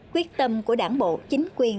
quyết tâm của đảng bộ chính quyền